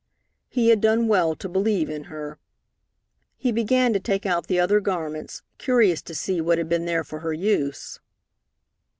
He had done well to believe in her. He began to take out the other garments, curious to see what had been there for her use.